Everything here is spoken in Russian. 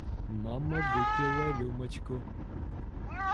Мама выпила рюмочку.